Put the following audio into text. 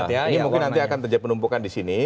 ini mungkin nanti akan terjadi penumpukan di sini